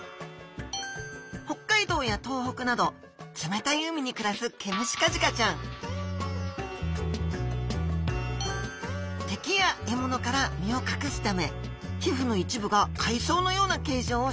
北海道や東北など冷たい海に暮らすケムシカジカちゃん敵や獲物から身を隠すため皮膚の一部が海藻のような形状をしています。